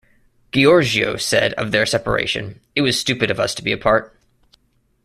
Gheorghiu said of their separation, It was stupid of us to be apart.